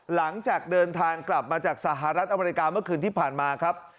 หลังจากเดินทางกลับมาจากสหรัฐอเมริกาเมื่อคืนที่ผ่านมาครับ